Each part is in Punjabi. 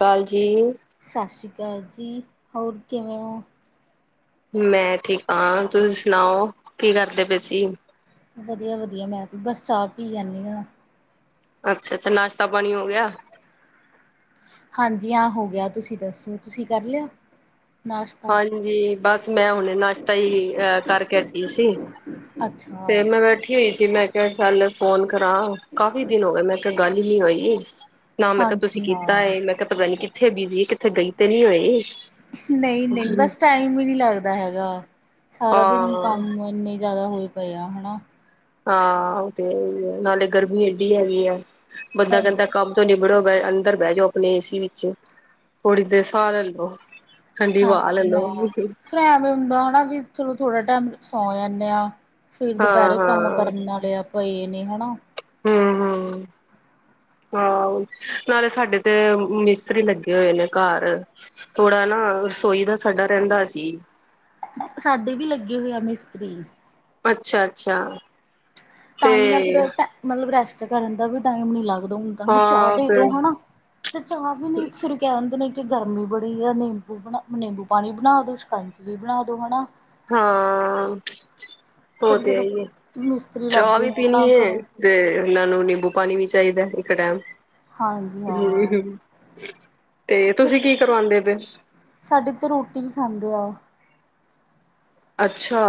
ਕਾਲ ਜੀ। ਸਤਿ ਸ਼੍ਰੀ ਅਕਾਲ ਜੀ ਹੋਰ ਕਿਵੇਂ ਹੋ? ਮੈਂ ਠੀਕ ਹਾਂ, ਤੁਸੀਂ ਸੁਣਾਓ ਕੀ ਕਰਦੇ ਪਏ ਸੀ? ਵਧੀਆ- ਵਧੀਆ ਮੈਂ ਬਸ ਚਾਹ ਪੀ ਜਾਂਦੀ ਹਾਂ। ਅੱਛਾ -ਅੱਛਾ ਨਾਸ਼ਤਾ ਪਾਣੀ ਹੋ ਗਿਆ। ਹਾਂਜੀ ਹਾਂ ਹੋ ਗਿਆ, ਤੁਸੀਂ ਦੱਸੋ ਤੁਸੀਂ ਕਰ ਲੈਆ? ਹਾਂਜੀ। ਬਸ ਮੈਂ ਹੁਣੇ ਨਾਸ਼ਤਾ ਹੀ ਅਹ ਕਰਕੇ ਹਠੀ ਸੀ। ਅੱਛਾ। ਤੇ ਮੈਂ ਬੈਠੀ ਤੇ ਮੈਂ ਕਿਹਾ ਚੱਲ ਫੋਨ ਕਰਾਂ, ਕਾਫੀ ਦਿਨ ਹੋ ਗਏ ਮੈਂ ਕਿਹਾ ਗੱਲ ਹੀ ਨੀ ਹੋਈ। ਨਾ ਮੈਂ ਕਿਹਾ ਤੁਸੀਂ ਹਾਂਜੀ ਕੀਤਾ ਹਾਂ ਮੈਂ ਕਿਹਾ ਪਤਾ ਨੀ ਕਿੱਥੇ ਬਿਜੀ, ਕਿੱਥੇ ਗਈ ਤੇ ਨੀ ਹੋਏ। ਨਹੀਂ- ਨਹੀਂ ਬਸ ਟਾਈਮ ਹੀ ਨਹੀ ਲੱਗਦਾ ਹੈਗਾ। ਸਾਰਾ ਦਿਨ ਹਾਂ ਕੰਮ ਇੰਨੇ ਜ਼ਿਆਦਾ ਹੋਏ ਪਏ ਆ ਹਨਾ। ਹਾਂ। ਉਹ ਤੇ ਇਹੀ ਹੈ, ਨਾਲੇ ਗਰਮੀ ਏਡੀ ਹੈਗੀ ਹੈ ਬੰਦਾ ਕਹਿੰਦਾ ਹਾਂਜੀ। ਕੰਮ ਨਿਬੜੋ ਬੇ ਅੰਦਰ ਬਹਿ ਜਾਓ ਆਪਣੇ ਏਸੀ ਵਿੱਚ ਥੋੜੀ ਦੇਰ ਸਾਹ ਲੈ ਲੋ। ਠੰਡੀ ਵਵਾ ਲੈ ਲੋ। ਫੇਰ ਐਵੇਂ ਹੁੰਦਾ ਹੈ, ਵੀ ਚਲੋ ਥੋੜ੍ਹਾ ਟਾਈਮ ਸੌਂ ਜਾਂਦੇ ਆ। ਫਿਰ ਹਾਂ ਦੁਪਹਿਰੇ ਕੰਮ ਹਾਂ ਕਰਨ ਵਾਲੇ ਆ ਪਏ ਨੇ ਹਨਾ। ਹੂੰ ਹੂੰ। ਹਾਂ ਨਾਲੇ ਸਾਡੇ ਤੇ ਮਿਸਤਰੀ ਬੈਠੇ ਹੋਏ ਨੇ ਘਰ। ਥੋੜਾ ਨਾ ਰਸੋਈ ਦਾ ਸਾਡਾ ਰਹਿੰਦਾ ਸੀ। ਸਾਡੇ ਵੀ ਲੱਗੇ ਹੋਏ ਆ ਮਿਸਤਰੀ। ਅੱਛਾ ਅੱਛਾ। ਤੇ ਤਾਂ ਹੀ ਨਾ ਫਿਰ ਮਤਲਬ ਰੈਸਟ ਕਰਨ ਦਾ ਵੀ ਟਾਈਮ ਨੀ ਲੱਗਦਾ ਹੁਣ ਤਾਂ ਉਹਨਾਂ ਨੂੰ ਚਾਹ ਹਾਂ ਦੇ ਫਿਰ ਦੋ ਹੈ ਨਾ। ਅਤੇ ਚਾਹ ਵੀ ਨਹੀਂ ਫਿਰ ਕਹਿੰਦੇ ਨੇ ਕਿ ਗਰਮੀ ਬੜੀ ਆ ਨਿੰਬੂ ਬਣਾ ਨਿੰਬੂ ਪਾਣੀ ਬਣਾ ਦਿਓ ਸ਼ਕ ਸ਼ਿਕੰਜਵੀ ਵੀ ਬਣਾ ਦੋ ਹੈ ਨਾ। ਹਾਂ ਉਹ ਫਿਰ ਤੇ ਹੈ ਜਦੋਂ ਈ ਏ ਹੀ ਹੈ ਮਿਸਤਰੀ ਲੱਗ ਚਾਹ ਗਏ ਵੀ ਹੋਣ ਨਾ ਪੀਣੀ ਹੈ। ਘਰੇ ਤੇ ਉਹਨਾਂ ਨੂੰ ਨਿੰਬੂ ਪਾਣੀ ਵੀ ਚਾਹੀਦਾ ਇੱਕ ਟਾਈਮ। ਹਾਂਜੀ ਹਾਂ ਤੇ ਤੁਸੀਂ ਕੀ ਕਰਵਾਉਂਦੇ ਪਏ? ਸਾਡੀੇ ਤੇ ਰੋਟੀ ਹੀ ਖਾਂਦੇ ਆ। ਅੱਛਾ,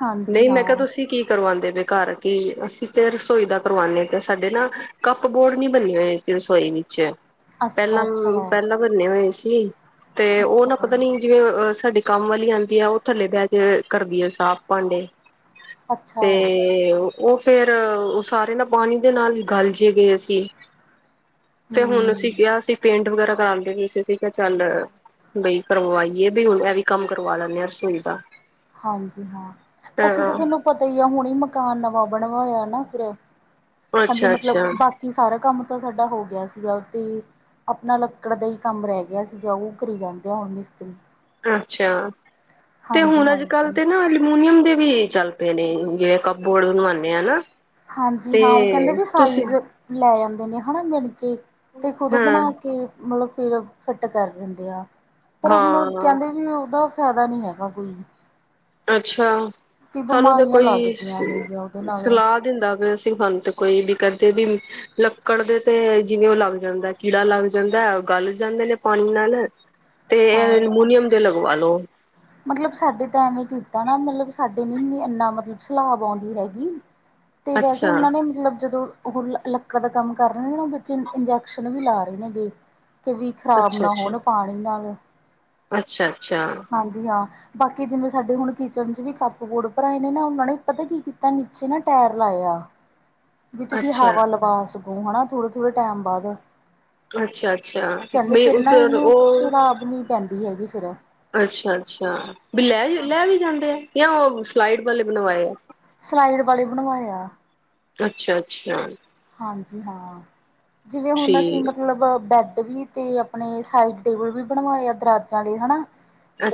ਹਾਂਜੀ ਨਹੀਂ ਮੈਂ ਕਿਹਾ ਹਾਂ ਤੁਸੀਂ ਕੀ? ਕਰਵਾਉਂਦੇ ਪਏ ਘਰ ਕਿ ਅਸੀਂ ਤੇ ਰਸੋਈ ਦਾ ਕਰਵਾਉਂਦੇ ਪਏ ਤੇ ਸਾਡੇ ਨਾ ਕੱਪ ਬੋਰਡ ਨੀ ਬਣੇ ਹੋਏ। ਤੇ ਰਸੋਈ ਨੀਚੇ ਹੈ ਅੱਛਾ ਪਹਿਲਾਂ ਅੱਛਾ ਪਹਿਲਾਂ ਬਨੇ ਹੋਏ ਸੀ ਤੇ ਉਹ ਨਾ ਅੱਛਾ ਪਤਾ ਨੀ। ਜਿਵੇਂ ਸਾਡੇ ਕੰਮ ਵਾਲੀ ਆਉਂਦੀ ਆ, ਉਹ ਥੱਲੇ ਬਹਿ ਕੇ ਕਰਦੀ ਆ ਸਾਫ਼ ਭਾਂਡੇ। ਅੱਛਾ ਤੇ ਉਹ ਉਹ ਫੇਰ ਉਹ ਸਾਰੇ ਨਾਲ ਪਾਣੀ ਦੇ ਨਾਲ ਗਲ ਜੇ ਗਏ ਸੀ। ਤੇ ਹੁਣ ਅਸੀਂ ਹੂੰ ਕਿਹਾ ਸੀ ਪੇਂਟ ਵਗੈਰਾ ਕਰਾ ਦੇਣੀ ਸੀ। ਠੀਕ ਹੈ, ਚੱਲ ਬਈ ਕਰਵਾਈਏ ਬਈ ਹੁਣ ਐ ਵੀ ਕੰਮ ਕਰਵਾ ਲੈਂਨੇ ਹਾਂ ਰਸੋਈ ਦਾ। ਹਾਂਜੀ ਹਾਂ ਅਸੀਂ ਤਾਂ ਹਾਂ ਤੁਹਾਨੂੰ। ਪਤਾ ਹੀ ਆ ਹੁਣ ਹੀ ਮਕਾਨ ਨਵਾਂ ਬਣਵਾਇਆ ਨਾ ਫਿਰ ਹਾਂਜੀ ਅੱਛਾ ਮਤਲਬ ਅੱਛਾ ਬਾਕੀ। ਕਿ ਸਾਰਾ ਕੰਮ ਤਾਂ ਸਾਡਾ ਹੋ ਗਿਆ ਸੀਗਾ ਤੇ। ਆਪਣਾ ਲੱਕੜ ਦਾ ਹੀ ਕੰਮ ਰਹਿ ਗਿਆ, ਸੀਗਾ ਉਹ ਕਰੀ ਜਾਂਦੇ ਆ ਹੁਣ ਮਿਸਤਰੀ। ਅੱਛਾ ਤੇ ਹਾਂਜੀ ਹੁਣ ਅੱਜ ਕੱਲ। ਹਾਂਜੀ ਅਲੂਮੀਨੀਅਮ ਦੇ ਵੀ ਚੱਲ ਪਏ ਨੇ ਜਿਵੇਂ ਕੱਪਬੋਰਡ ਬਣਵਾਉਂਦੇ ਆ। ਹਾਂਜੀ ਤੇ ਹਾਂ ਉਹ ਕਹਿੰਦੇ ਵੀ ਤੁਸੀਂ ਸਾਈਜ਼। ਲੈ ਜਾਂਦੇ ਨੇ ਹਨਾ, ਮਿਣ ਕੇ ਤੇ ਖੁਦ ਹਾਂ ਬਣਾ ਕੇ। ਮਤਲਬ ਫਿਰ ਫਿੱਟ ਕਰ ਦਿੰਦੇ ਆ, ਪਰ ਮਤਲਬ ਹਾਂ ਕਹਿੰਦੇ ਵੀ ਉਹਦਾ। ਫੈਦਾ ਨੀ ਹੈਗਾ ਕੋਈ। ਅੱਛਾ ਸਾਨੂੰ ਤਾਂ ਬਿਮਾਰੀਆਂ ਕੋਈ ਲੱਗਦੀਆਂ ਨੇਗੀਆਂ ਉਹਦੇ ਨਾਲ ਸਲਾਹ ਦਿੰਦਾ ਪਿਆ ਸੀ, ਸਾਨੂੰ ਤੇ ਕੋਈ ਵੀ ਕਹਿੰਦੇ ਵੀ। ਲੱਕੜ ਦੇ ਤੇ, ਜਿਵੇਂ ਉਹ ਲੱਗ ਜਾਂਦਾ ਕੀੜਾ ਲੱਗ ਜਾਂਦਾ ਗਲ ਜਾਂਦੇ ਨੇ ਪਾਣੀ ਨਾਲ। ਤੇ ਹਾਂ ਅਲੂਮੀਨੀਅਮ ਦੇ ਲਗਵਾ ਲੋ। ਮਤਲਬ ਸਾਡੇ ਤਾਂ ਐਵੇਂ ਕੀਤਾ ਨਾ ਮਤਲਬ ਸਾਡੇ ਨੀ ਸੀ ਇੰਨਾ ਮਤਲਬ ਸਲਾਬ ਆਉਂਦੀ ਹੈਗੀ। ਹ [inaudible] ਅਤੇ ਵੈਸੇ ਉਹਨਾਂ ਨੇ ਮਤਲਬ ਜਦੋਂ। ਉਹ ਲੱਕੜ ਦਾ ਕੰਮ ਕਰ ਰਹੇ ਨੇ, ਵਿਚੇ ਇੰਜੈਕਸ਼ਨ ਵੀ ਲਾ ਰਹੇ ਨੇ ਹੈਗੇ। ਕਿ ਵੀ ਖ਼ਰਾਬ ਅੱਛਾ ਨਾ ਅੱਛਾ ਹੋਣ ਪਾਣੀ ਨਾਲ। ਅੱਛਾ ਅੱਛਾ। ਜੀ ਹਾਂ। ਬਾਕੀ ਜਿਵੇਂ ਸਾਡੇ ਹੁਣ ਕਿਚਨ ਚ ਵੀ ਕੱਪਬੋਰਡ ਭਰਾਏ ਨੇ ਨਾ ਉਹਨਾਂ ਨੇ ਪਤਾ ਕੀ ਕੀਤਾ ਨੀਚੇ ਨਾ ਟਾਇਰ ਲਾਏ ਆ। ਹ [inaudible] ਵੀ ਤੁਸੀਂ ਹਵਾ ਲਵਾ ਸਕੋ ਹਨਾ ਥੋੜੇ ਥੋੜੇ ਟਾਈਮ ਬਾਅਦ। ਅੱਛਾ ਅੱਛਾ ਕੈਂਦੀ ਵੀ ਫੇਰ ਨਾ ਐਨੂੰ ਉਹ ਸਲਾਬ ਨੀ ਪੈਂਦੀ ਹੈਗੀ ਫੇਰ ਐ। ਅੱਛਾ-ਅੱਛਾ ਬੀ ਲੈ, ਲੈ ਵੀ ਜਾਂਦੇ ਐ ਯਾ ਓ ਸਲਾਈਡ ਵੱਲੇ ਬਣਵਾਏ ਐ। ਸਲਾਈਡ ਵਾਲੇ ਬਣਵਾਏ ਆ। ਅੱਛਾ-ਅੱਛਾ ਹਾਂਜੀ ਹਾਂ, ਜਿਵੇ ਹੁਨ ਅਸੀ ਠੀਕ ਮਤਲਬ ਬੈਡ ਵੀ ਤੇ ਅਪਣੇ ਸਾਈਡ ਟੇਬਲ ਵੀ ਬਣਵਾਏ ਆ ਦਰਾਜਾ ਅਲੇ ਹਣਾ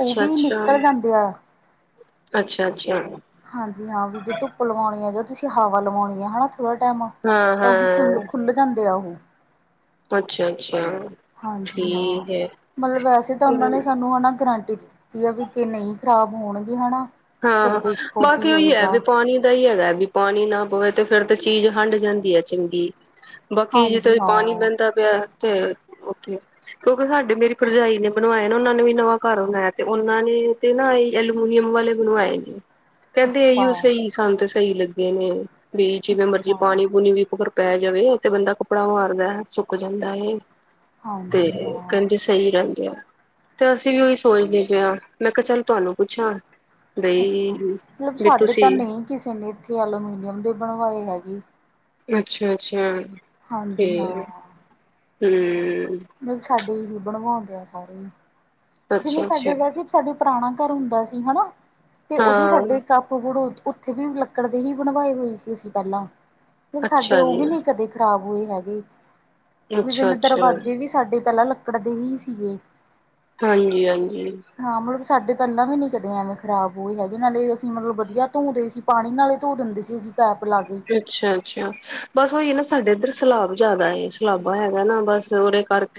ਓ ਵੀ ਨਿਕੱਲ ਜਾਂਦੇ ਆ। ਅੱਛਾ-ਅੱਛਾ। ਹਾਂਜੀ ਹਾਂ ਵੀ ਜੇ ਤੁੱਪ ਲਵਾਓਣੀ ਆ ਜਾਂ ਤੁਸੀ ਹਵਾ ਲਵਓਣੀ ਹੈ ਹਣਾ ਥੋੜਾ ਟੈਮ ਆ। ਤਾ ਉਹ ਹਾਂ-ਹਾਂ ਖੁੱਲ-ਖੁੱਲ ਜਾਂਦੇ ਆ ਓਹੋ। ਅੱਛਾ-ਅੱਛਾ। ਹਾਂਜੀ ਹਾਂ, ਠੀਕ ਮਲਬ ਵੈਸੇ ਤਾ ਓਨਾ ਨੇ ਹੈ। ਸਾਨੂੰ ਹਨਾਂ ਗਰਂਟੀ ਦਿਤੀ ਤੀ ਆ ਵੀ ਕਿ ਨਈ ਖਰਾਬ ਹੋਣਗੇ ਹਣਾ। ਹਾਂ ਬਾਕੀ ਓਈ ਐ ਵੀ ਪਾਣੀ ਦਾ ਈ ਐਗੈ ਬਈ ਪਾਨੀ ਨਾ ਪਵੇ ਤੇ ਫੇਰ ਤੇ ਚੀਜ਼ ਹਾੰਡ ਜਾਂਦੀ ਐ ਚੰਗੀ। ਬਾਕੀ ਜਿੱਥੇ ਹਾਂਜੀ ਵੀ ਹਾਂ ਪਾਨੀ ਬੈਂਦਾ ਪਯੈ ਓਤੇ ਓਥੇ ਕਯੋਕਿ ਸਾਡੀ ਮੇਰੀ ਪਰਜਾਈ ਨੇ ਬਣਵਾਏ ਨਾ ਓਨਾ ਨੇ ਵੀ ਨਵਾਂ ਘਾੱਰ ਬਨਾਐ ਤੇ ਓਨਾ ਨੇ ਤੇ ਨਾ ਏ ਐਲਮੂਨੀਅਮ ਵਾਲੇ ਬਨਵਾਏ ਨੇ, ਕੈਂਦੀ ਅੱਛਾ। ਏਯੋ ਸਈ ਸਾਨ ਤੇ ਸਈ ਲੱਗੇ ਨੇ ਬਈ ਜਿਵੇ ਮਰਜੀ ਅੱਛਾ ਪਾਣੀ ਪੂਨੀ ਵੀ [unintelligible] ਪੈ ਜਾਵੇ ਤੇ ਬੰਦਾ ਕੱਪੜਾ ਮਾਰਦੈ ਸੁੱਕ ਜੱਦਾ ਏ, ਤੇ ਹਾਂਜੀ ਹਾਂ ਕੈਂਦੇ ਸੱਈ ਰੈਂਦੇ ਆ ਤੇ ਅਸੀ ਵੀ ਓਈ ਸੋਚਨੇ ਪੇਆ ਮੈਂ ਕਯਾ ਚੱਲ ਤੁਆਨੂੰ ਪੁੱਛਾਂ ਅੱਛਾ, ਬਈ ਮਤਲਬ ਵੀ ਸਾਡੇ ਤਾ ਤੁਸੀਂ ਨਈ ਕਿਸੇ ਨੇ ਇੱਥੇ ਐਲੋਮੀਨੀਅਮ ਦੇ ਬਣਵਾਏ ਹੈਗੇ। ਅੱਛਾ-ਅੱਛਾ, ਹਾਂਜੀ ਠੀਕ, ਹਾਂ ਹੂੰ। ਮਤਲਬ ਸਾਡੇ ਇਹੀ ਬਣਵਾਓਂਦੇ ਆ ਸਾਰੇ। ਜਿਵੇ ਅੱਛਾ-ਅੱਛਾ ਸਾਡੇ ਵੈਸੇ ਈ ਸਾਡੇ ਪਰਾਣਾ ਘਾੱਰ ਹੁੰਦਾ ਸੀ ਹਨਾ, ਤੇ ਓਦੇ ਹਾਂ ਸਾਡੇ ਕਾੱਪਬੜੁਡ ਉੱਥੇ ਵੀ ਲੱਕੜ ਦੇ ਹੀ ਬਣਵਾਏ ਹੋਏ ਸੀ ਅਸੀ ਪੈਲਾਂ। ਓ ਸਾਡੇ ਅੱਛਾ ਓ ਜੀ ਵੀ ਨੀ ਕਦੇ ਖਰਾਬ ਹੋਏ ਹੈਗੇ, ਵੀ ਜਿਵੇ ਅੱਛਾ-ਅੱਛਾ ਦਰਵਾਜ਼ੇ ਵੀ ਸਾਡੇ ਪੈਲਾਂ ਲੱਕੜ ਦੇ ਈ ਸੀਗੇ। ਹਾਂਜੀ-ਹਾਂਜੀ। ਹਾਂ ਮੱਲਬ ਸਾਡੇ ਪੈਲਾਂ ਵੀ ਨੀ ਕਦੇ ਐਵੇਂ ਖਰਾਬ ਹੋਏ ਹੈਗੇ ਨਾਲੇ ਅਸੀ ਮਦਲਬ ਵਦੀਆ ਤੋਂਦੇ ਸੀ ਪਾਣੀ ਨਾਲ ਹੀ ਤੋ ਦਿੰਦੇ ਸੀ ਅਸੀ ਪੈਪ ਲਾ ਕੇ। ਅੱਛਾ-ਅੱਛਾ ਬਾੱਸ ਓਈ ਏ ਨਾ ਸਾਡੇ ਇੱਦਰ ਸਲਾਬ ਜਾਦਾ ਏ, ਸਲਾਬਾ ਐਗਾ ਏ ਨਾ ਬਾੱਸ ਓਦੇ ਕਾਰ [inaudible]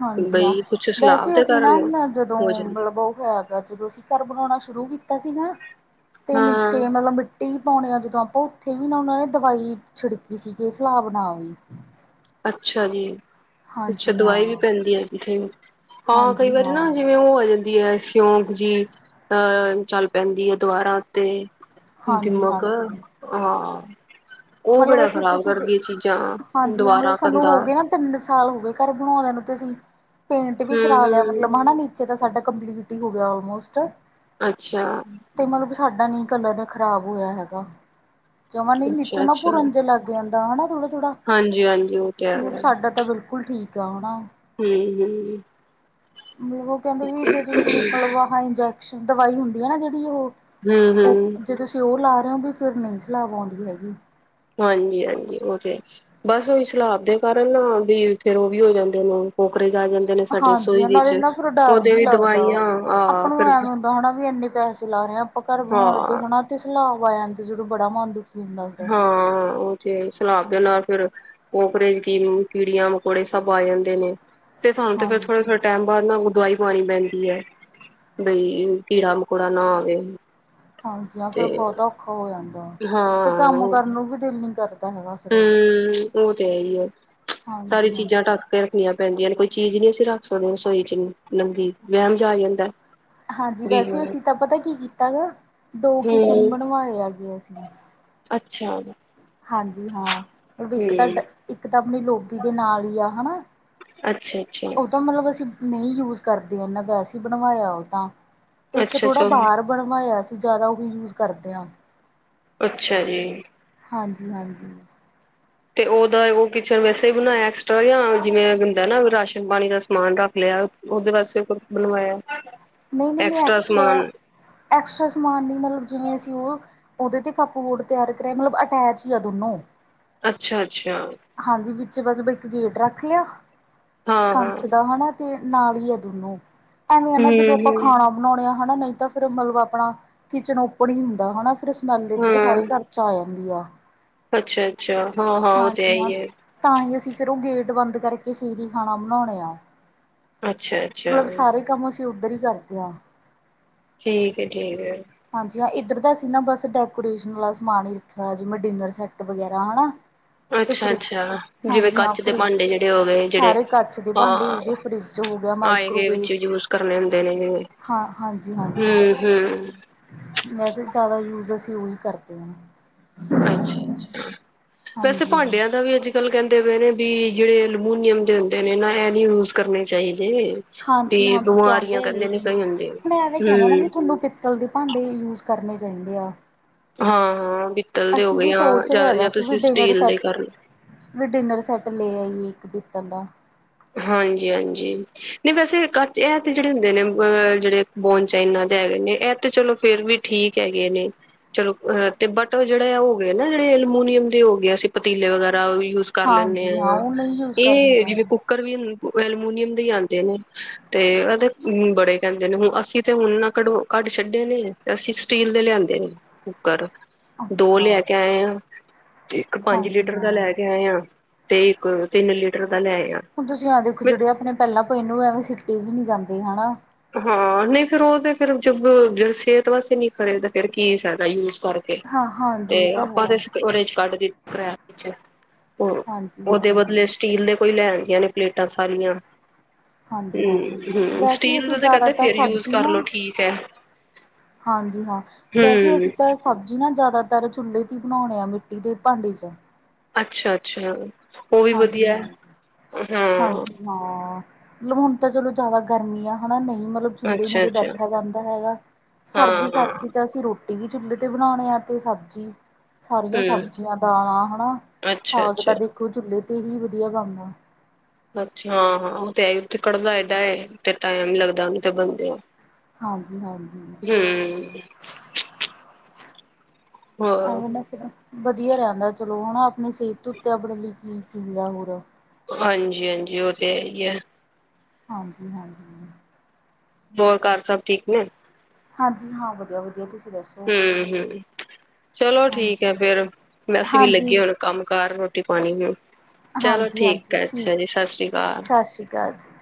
ਹਾਂਜੀ ਹਾਂ, ਵੈਸੇ ਅਸੀ ਨਾ ਕਾਰਨ ਮੈ ਜਦੋ ਹੋ ਜਾਂਦਾ ਮਲਬ ਓ ਹੋਯਾ [unintelligible] ਜਦੋ ਅਸੀ ਘਾੱਰ ਬਨੋਣਾ ਸ਼ੁਰੂ ਕੀਤਾ ਸੀ ਨਾ, ਤੇ ਹਾਂ ਨੀਚੇ ਮਲਬ ਮਿੱ ਟੀ ਪਾਉਣੇ ਆ ਜਦੋ ਆਪਾ ਓਥੇ ਵੀ ਨਾ ਓਨਾਂ ਨੇ ਦਵਾਈ ਛਿੜਕੀ ਸੀਕੇ ਸਲਾਬ ਨਾ ਆਵੇ। ਅੱਛਾ ਜੀ, ਅੱਛਾ ਹਾਂਜੀ ਹਾਂ ਦਵਾਈ ਵੀ ਪੈਂਦੀ ਏ ਐਦੀ ਠੀਕ। ਹਾਂ ਕਈ ਹਾਂਜੀ ਵਾਰੀ ਨਾ ਹਾਂ ਜਿਵੇ ਓ ਜਾਂ ਦੀ ਏ ਸਯੋਂਕ ਜੀ, ਅ ਚੱਲ ਪੈਂਦੀ ਏ ਦਵਾਰਾ ਤੇ ਹਾਂਜੀ ਦੀਮਕ, ਹਾਂਜੀ ਹਾਂ। ਓ ਮਤਲਬ ਬੜਾ ਅਸੀਂ ਖ਼ਰਾਬ ਤੁਸੀਂ ਦੇ ਕਰਦੀ ਏ ਚੀਜ਼ਾਂ, ਹਾਂਜੀ ਹਾਂ ਦਵਾ ਮਤਲਬ ਸਾਨੂੰ ਹੋ ਗਏ ਨਾ ਤਿੰਨ ਸਾਲ ਹੋ ਗਏ ਘਾੱਰ ਬਣਾਉਂਦੇਆ ਨੂੰ ਤੇ ਅਸੀ, ਪੇਂਟ ਵੀ ਹਮ ਕਰਾ ਲੇਆ ਹਮ ਮਤਲਬ ਹਨਾ ਨੀ ਚੇ ਸਾਡਾ ਕੰਪਲੀਟ ਈ ਹੋ ਗਯਾ ਓਲਮੋਸਟ ਅੱਛਾ। ਤੇ ਮਤਲਬ ਸਾਡਾ ਨੀ ਕਲਰ ਖਰਾਬ ਹੋਯਾ ਹੈਗਾ ਜਮਾ ਨੀ ਅੱਛਾ ਨੀਚੋਂ ਨਾ ਅੱਛਾ ਪੁਰਨ ਜਾ ਲਾੱਗ ਆਂਦਾ ਹਨਾ ਥੋੜਾ-ਥੋੜਾ, ਹਾਂਜੀ ਹਾਂਜੀ ਉਹ ਤੇ ਹੈਗਾ ਸਾਡਾ ਤਾਂ ਬਿਲਕੁਲ ਠੀਕ ਆ ਹਣਾ। ਹੂੰ-ਹੂੰ ਮਤਲਬ ਓ ਕੈਂਦੇ ਵੀ ਜੇ ਤੁਸੀਂ ਮਲਵਾਹਿਨ ਇੰਜੈਕਸ਼ਨ ਦਵਾਈ ਹੁੰਦੀ ਹੈ ਨਾ ਜਿਹੜੀ ਓ- ਹਮ ਓ ਹਮ ਜੇ ਤੁਸੀਂ ਓ ਲਾ ਰਏ ਹੋ ਵੀ ਫਿਰ ਨਈ ਸਲਾਬ ਆਉਂਦੀ ਹੈਗੀ। ਹਾਂਜੀ-ਹਾਂਜੀ ਓ ਤੇ ਐ। ਬਸ ਉਹੀ ਸਲਾਬ ਦੇ ਕਾਰਨ ਵੀ ਫਿਰ ਓ ਵੀ ਹੋ ਜਾਂਦੇ ਨੇ ਕੋਕਰੇਜ ਆ ਜਾਂਦੇ। ਨੇ ਸਾਡੇ ਰਸੋਈ ਹਾਂਜੀ ਵਿੱਚ ਨਾਲੇ ਨਾ ਫਿਰ ਡਰ ਉਹਦੇ ਵੀ ਲੱਗਦਾ ਦਵਾਈਆਂ ਆ ਆਪਾਂ ਨੂੰ ਫਿਰ ਐਵੇ ਹੁੰਦਾ ਹਨਾ ਵੀ ਇੰਨੇ ਪੈਸੇ ਲਾ ਰਏ ਆ। ਆਪਾਂ ਘਰ ਬਣਾਉਣ ਤੇ ਹਾਂ ਹਨਾ ਤੇ ਸਲਾਬ ਆ ਜਾਂਦੀ ਜਦੋਂ ਬੜਾ ਮੰਨ ਦੁਖ ਹਾਂ ਓ ਤੇ ਸਲਾਬ ਦੇ ਨਾਲ ਫਿਰ ਕੋਕਰੇਜ ਕੀ ਕੀੜੀਆਂ, ਮਕੌੜੇ ਸਭ ਆ ਜਾਂਦੇ ਨੇ। ਤੇ ਸਾਨੂੰ ਫਿਰ ਹਾਂਜੀ। ਥੋੜੇ-ਥੋੜੇ ਟੈਮ ਬਾਦ ਨਾਲ ਦਵਾਈ ਪਾਣੀ ਪੈਂਦੀ ਹੈ ਬਈ ਕੀੜਾ ਮਕੌੜਾ ਨਾ ਆਵੇ। ਹਾਂਜੀ ਹ ਫਿਰ ਤੇ ਬੋਤਾ ਔਖਾ ਹੋ ਜਾਂਦਾ ਵਾ ਹਾਂ ਤੇ ਕੰਮ ਕਰਨ ਨੂੰ ਵੀ ਦਿਲ ਨੀ ਕਰਦਾ ਹੈਗਾ। ਫਿਰ ਹੂੰ ਓ ਤੇ ਹੈ ਹੀ ਆ ਹਾਂਜੀ ਸਾਰੀ ਚੀਜ਼ਾਂ ਹਾਂਜੀ। ਢੱਕ ਕੇ ਰੱਖਣੀਆਂ ਪੈਂਦੀਆਂ ਨੇ ਕੋਈ ਚੀਜ਼ ਨਹੀਂ ਅਸੀਂ ਰੱਖ ਸਕਦੇ ਰਸੋਈ 'ਚ ਨੰਗੀ ਵਹਿਮ ਜਾ ਆ ਜਾਂਦਾ। ਹਾਂਜੀ ਵੀ ਹਾਂ ਵੈਸੇ ਅਸੀਂ ਤਾਂ ਪਤਾ ਕੀ ਕੀਤਾ ਗਾ ਦੋ ਕਿਚਨ ਹੂੰ ਬਣਵਾਏ ਹੈਗੇ ਅਸੀਂ ਅੱਛਾ ਹਾਂਜੀ ਹਾਂ ਮਤਲਬ ਇੱਕ ਤਾਂ ਹੂੰ ਇੱਕ ਤਾਂ ਆਪਣੀ ਲੋਬੀ ਦੇ ਨਾਲ ਹੀ ਆ ਹਨਾ। ਅੱਛਾ-ਅੱਛਾ ਉਹ ਤਾਂ ਮਤਲਬ ਅਸੀਂ ਨਹੀਂ ਯੂਜ ਕਰਦੇ ਹਨਾ ਵੈਸੇ ਬਣਵਾਇਆ ਉਹ ਤਾਂ ਤੇ ਇੱਕ ਅੱਛਾ ਥੋੜ੍ਹਾ ਅੱਛਾ ਬਾਹਰ ਬਣਵਾਇਆ ਅਸੀਂ ਜਾਦਾ ਉਹ ਵੀ ਯੂਜ ਕਰਦੇ ਹਾਂ। ਅੱਛਾ ਜੀ। ਹਾਂਜੀ-ਹਾਂਜੀ ਤੇ ਉਹਦਾ ਓ ਕਿਚਨ ਵੈਸੇ ਹੀ ਬਣਾਇਆ ਐਕਸਟਰਾ ਜਾਂ ਜਿਵੇਂ ਹੁੰਦਾ ਨਾ ਰਾਸ਼ਨ ਪਾਣੀ ਦਾ ਸਮਾਨ ਰੱਖ ਲਿਆ। ਉਹਦੇ ਵਾਸਤੇ ਕੁਛ ਬਣਵਾਇਆ। ਨਈ-ਨਈ-ਨਈ ਐਕਸਟਰਾ ਸਮਾਨ ਐਕਸਟਰਾ-ਐਕਸਟਰਾ ਸਮਾਨ ਨਹੀਂ ਮਤਲਬ ਜਿਵੇਂ ਅਸੀਂ ਓ ਉਹਦੇ ਤੇ ਕੱਪ ਬੋਰਡ ਤਿਆਰ ਕਰਿਆ ਮਤਲਬ ਅਟੈਚ ਹੀ ਆ ਦੋਨੋਂ ਅੱਛਾ-ਅੱਛਾ ਹਾਂਜੀ ਵਿੱਚ ਮਤਲਬ ਇੱਕ ਗੇਟ ਰੱਖ ਲਿਆ ਹਾਂ ਹਾਂ ਕੱਚ ਦਾ ਹਨਾ। ਤੇ ਨਾਲ ਹੀ ਹੈ ਦੋਨੋਂ ਐਵੇਂ ਹੈ ਨਾ ਹੂੰ ਜਦੋਂ ਆਪਾਂ ਹੂੰ ਖਾਣਾ ਬਣਾਉਣੇ ਆ ਹਨਾ ਨਹੀਂ ਤਾਂ ਫੇਰ ਮਤਲਬ ਆਪਣਾ ਕਿਚਨ ਓਪਨ ਹੀ ਹੁੰਦਾ ਹਨਾ। ਫਿਰ ਸਮੈਲ ਇੱਧਰ ਸਾਰੇ ਘਰ 'ਚ ਆ ਜਾਂਦੀ ਆ। ਅੱਛਾ-ਅੱਛਾ ਹਾਂ-ਹਾਂ ਉਹ ਤਾਂ ਹੈ ਹਾਂਜੀ ਹਾਂ ਹੀ ਹੈ। ਤਾਂ ਹੀ ਅਸੀਂ ਫੇਰ ਓ ਗੇਟ ਬੰਦ ਕਰਕੇ ਫੇਰ ਹੀ ਖਾਣਾ ਬਣਾਉਣੇ ਆਂ। ਅੱਛਾ ਅੱਛਾ ਮਤਲਬ ਸਾਰੇ ਕੰਮ ਅਸੀਂ ਉੱਧਰ ਹੀ ਕਰਦੇ ਆਂ। ਠੀਕ ਏ ਠੀਕ ਏ। ਹਾਂਜੀ ਹਾਂ ਇੱਧਰ ਦਾ ਅਸੀਂ ਨਾ ਬਸ ਡੈਕੋਰੇਸ਼ਨ ਵਾਲਾ ਸਮਾਨ ਹੀ ਰੱਖਿਆ ਹੋ ਜਿਵੇਂ ਡਿਨਰ ਸੈੱਟ ਵਗੈਰਾ ਹਨਾ। ਤੇ ਫਿਰ ਅੱਛਾ-ਅੱਛਾ ਜਿਵੇਂ ਹਾਂਜੀ ਹਾਂ ਕੱਚ ਦੇ ਭਾਂਡੇ ਫਰਿਜ ਜਿਹੜੇ ਹੋ ਗਏ ਜਿਹੜੇ ਸਾਰੇ ਕੱਚ ਦੇ ਭਾਂਡੇ ਹਾਂ ਹੋ ਗਏ ਫਰਿੱਜ ਹੋ ਗਿਆ ਆਏ ਗਏ ਮਾਈਕ੍ਰੋਵੇਵ ਵਿੱਚ ਯੂਜ ਕਰਨੇ ਹੁੰਦੇ ਨੇਗੇ ਹਾਂ ਹਾਂਜੀ ਹਾਂਜੀ। ਹੂੰ- ਹੂੰ। ਵੈਸੇ ਜਾਦਾ ਯੂਰਜ ਯੂਜ ਕਰਦੀ ਹਾਂ। ਅੱਛਾ-ਅੱਛਾ ਵੈਸੇ ਹਾਂਜੀ ਹਾਂਜੀ। ਭਾਂਡਿਆਂ ਦਾ ਵੀ ਅੱਜ ਕੱਲ ਕੈਂਦੇ ਪਏ ਨੇ ਵੀ ਜਿਹੜੇ ਐਲੂਮੀਨੀਅਮ ਦੇ ਹੁੰਦੇ ਨੇ ਨਾ ਇਹ ਨੀ ਯੂਜ ਕਰਨੇ ਚਾਹੀਦੇ। ਵੀ ਹਾਂਜੀ-ਹਾਂਜੀ ਕੈਂਦੇ ਬਿਮਾਰੀਆਂ ਕਹਿੰਦੇ ਵੀ ਨੇ ਕਈ ਯੂਜ ਹੁੰਦੇ ਐਵੇਂ ਕੈਂਦੇ ਨਾ ਵੀ ਹੂੰ, ਤੁਹਾਨੂੰ ਪ ਚਲਦੇ ਭਾਂਡੇ ਯੂਜ ਕਰਨੇ ਚਾਹੀਦੇ ਆ। ਹਾਂ-ਹਾਂ ਪਿੱਤਲ ਦੇ ਹੋ ਅਸੀਂ ਗਏ ਵੀ ਆ ਸੋਚ ਰਹੇ ਜਾਂ-ਜਾਂ ਵੈਸੇ ਵੀ ਤੁਸੀਂ ਡਿਨਰ ਸਟੀਲ ਦੇ ਕਰ ਸੈੱਟ ਲਓ। ਵੀ ਡਿਨਰ ਸੈੱਟ ਲੈ ਆਈਏ ਇੱਕ ਪੀਤਲ ਦਾ ਹਾਂਜੀ-ਹਾਂਜੀ। ਨਹੀਂ ਵੈਸੇ ਏਹ ਕਾਚ, ਏਹ ਤੇ ਜੇਹੜੇ ਹੁੰਦੇ ਨੇ ਵ ਅ ਜੇਹੜੇ ਬੋਨ ਚਾਈਨਾ ਦੇ ਹੈਗੇ ਨੇ, ਏਹ ਤੇ ਚਲੋ ਫੇਰ ਵੀ ਠੀਕ ਹੈਗੇ ਨੇ। ਚਲੋ ਅਹ ਤੇ ਬਟ ਉਹ ਜੇਹੜੇ, ਆ ਹੋ ਗਏ ਨਾ ਜੇਹੜੇ ਅਲਮੋਨੀਅਮ ਦੇ ਹੋ ਗਿਆ ਸੀ ਪਤੀਲੇ ਵਗੈਰਾ ਉਹ ਵੀ ਯੂਜ਼ ਕਰ ਲੈਂਣੇ ਆ ਹਾਂਜੀ ਹਾਂ ਯਾ, ਉਹ ਨਹੀਂ ਯੂਜ ਕਰਨੇ ਏਹ ਜਿਵੇਂ ਚਾਹੀਦੇ ਕੁ ਕਰ ਵੀ ਮ ਏਲਮੁਨੀਅਮ ਦੇ ਈ ਆਂਦੇ ਨੇ, ਤੇ ਏਹਦੇ ਅਮ ਬੜੇ ਕੇਂਦੇ ਨੇ, ਹੁਣ ਅਸੀਂ ਤੇ ਹੁਣ ਨਾ ਕਢੋ ਕੱਢ ਛੱਡੇ ਨੇ, ਤੇ ਅਸੀਂ ਸਟੀਲ ਦੇ ਲਿਆਂਦੇ ਨੇ ਕੁੂੱਕਰ, ਦੋ ਅੱਛਾ ਲੈ ਕੇ ਆਏ ਹਾਂ। ਤੇ ਇੱਕ ਪਾਂਜ ਹਾਂਜੀ ਲੀਟਰ ਦਾ ਲੈ ਹਾਂ। ਕੇ ਆਏ ਆ, ਤੇ ਇੱਕ ਤਿੰਨ ਲੀਟਰ ਦਾ ਲੇਆਏ ਆ। ਹੁਣ ਤੁਸੀਂ ਆ ਦੇਖੋ ਜੇਅੜੇ ਅਪਣੇ ਪੈਲਾਂ ਪਏ ਨੇ ਉਹ ਐਵੇਂ ਸਿੱਟੀ ਵੀ ਨੀ ਜਾਂਦੇ, ਹਨਾ? ਹਾਂ ਨਹੀਂ ਫੇਰ ਉਹ ਤੇ ਫਿਰ ਜਵ, ਜੇਹੜੇ ਸੇਹਤ ਵਾਸੇ ਨਹੀਂ ਖਰੇ, ਤੇ ਫੇਰ ਕੀ ਫਾਦਾ ਯੂਜ ਕਰ ਕੇ ਹਾਂ ਤੇ ਹਾਂਜੀ ਇਹ ਤਾਂ ਆਪਾਂ ਹੈ ਦੇ ਓਰੇ ਇੱਚ ਕੱਢ ਦਿੱ ਪਰੇਮ ਚ, ਹੋਰ ਹਾਂਜੀ ਓਹਦੇ ਹਾਂਜੀ। ਬਦਲੇ ਸਟੀਲ ਦੇ ਕੋਈ ਲੈ ਆਦੀਆਂ ਨੇ ਪਲੇਟਾਂ ਥਾਲੀਆਂ। ਹਾਂਜੀ-ਹਾਂਜੀ, ਵੈਸ ਸਟੀਲ ਅਸੀਂ ਦਾ ਤੇ ਕਹਿੰਦੇ ਜਾਦਾਤਰ ਫੇਰ ਯੂਜ ਸਬਜ਼ੀ ਕਰ ਨਾ, ਲੋ ਠੀਕ ਹੈ ਹਾਂਜੀ ਹਾਂ, ਵੈਸੇ ਹਮ ਅਸੀਂ ਤਾਂ ਸਬਜ਼ੀ ਨਾ ਜਾਦਾਤਰ ਚੁੱਲ੍ਹੇ ਤੇ ਈ ਬਣਾਉਣੇ ਆ ਮਿੱਟੀ ਦੇ ਭਾਂਡੇ ਚ। ਅੱਛਾ-ਅੱਛਾ, ਉਹ ਵੀ ਹਾਂਜੀ ਵਧੀਆ ਐ, ਹਾਂਜੀ ਹਾਂ। ਹਾਂਜੀ ਹਾਂ, ਮਤਲਬ ਹੁਣ ਤਾਂ ਚਲੋ ਜਾਦਾ ਗਰਮੀ ਆ, ਹਨਾ ਨਹੀਂ ਮਤਲਬ ਚੁਲੇ ਅੱਛਾ ਮੁੜੇ ਅੱਛਾ ਬੈਠਾ ਜਾਂਦਾ ਹੈਗਾ, ਹਾਂ ਹਾਂ ਸਰਦੀ-ਸਰਦੀ ਤਾਂ ਅਸੀਂ ਰੋ ਟੀ ਵੀ ਚੁੱਲੇ ਤੇ ਬਣਾਉਣੇ ਆ, ਤੇ ਸਬਜ਼ੀ ਸਾਰੀਆਂ ਹਮ ਸਬਜ਼ੀਆਂ ਦਾਲਾਂ ਹਨਾ, ਅੱਛਾ ਸਾਗ ਅੱਛਾ ਤਾਂ ਦੇਖੋ ਚੁੱਲੇ ਤੇ ਹੀ ਵਧੀਆ ਬਣਨਾ। ਅੱਛਾ, ਹਾਂ-ਹਾਂ ਉਹ ਤੇ ਹੈ ਈ, ਉਤੇ ਕੜਦਾ ਏਡਾ ਏ ਤੇ ਟਾਈਮ ਲੱਗਦਾ ਉਹਨੂੰ ਤੇ ਬਣਦੇਆ। ਹਾਂਜੀ-ਹਾਂਜੀ। ਹਮ ਹੋਰ? ਐਵੇਂ ਨਾ ਵਧੀਆ ਰੇਣਦਾ ਚਲੋ ਹਨਾ, ਆਪਨੇ ਸਿਹਤ ਤੋਂ ਉੱਤੇ ਆਪਣੇ ਲਈ ਕੀ ਚੀਜ਼ ਆ ਹੋਰ? ਹਾਂਜੀ-ਹਾਂਜੀ, ਉਹ ਤੇ ਹੈ ਈ ਹੈ। ਹਾਂਜੀ-ਹਾਂਜੀ। ਹੋਰ ਕਾਰ ਸਭ ਠੀਕ ਨੇ? ਹਾਂਜੀ ਹਾਂ, ਵਧੀਆ-ਵਧੀਆ ਤੁਸੀਂ ਦੱਸੋ? ਹਮ-ਹਮ। ਚਲੋ ਠੀਕ ਹੈ ਹਾਂਜੀ ਫੇਰ, ਅਸੀਂ ਵੀ ਹਾਂਜੀ ਲੱਗੀਏ ਹੁਣ ਕੰਮ ਕਾਰ ਰੋਟੀ ਪਾਣੀ ਨੂੰ। ਚਲੋ ਹਾਂਜੀ ਠੀਕ ਹੈ, ਅੱਛਾ ਜੀ, ਸ਼ਾਸਰੀ ਕਾਲ। ਕਾ ਜੀ।